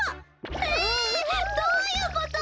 どういうこと？